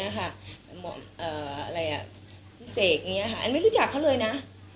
อยู่ปิ๊สเอกไม่รู้จักเค้าเลยนะ